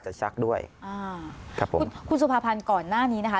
ซักด้วยอ่าครับผมคุณคุณสุภาพันธ์ก่อนหน้านี้นะคะ